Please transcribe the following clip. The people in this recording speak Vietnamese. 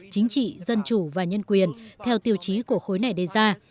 chính trị dân chủ và nhân quyền theo tiêu chí của khối này đề ra